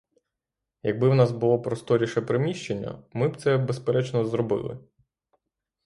Якби в нас було просторіше приміщення, ми б це, безперечно, зробили.